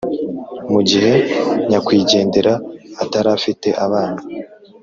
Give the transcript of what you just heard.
mu gihe nyakwigendera atarafite abana,